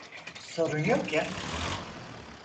Sorun yok ya?